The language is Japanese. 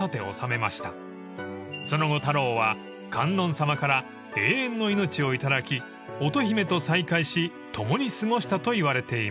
［その後太郎は観音様から永遠の命を頂き乙姫と再会し共に過ごしたといわれています］